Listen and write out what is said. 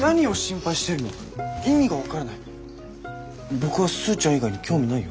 僕はスーちゃん以外に興味ないよ？